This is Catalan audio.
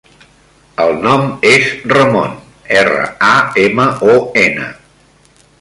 El nom és Ramon: erra, a, ema, o, ena.